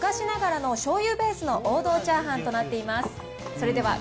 どれも昔ながらのしょうゆベースの王道チャーハンとなっています。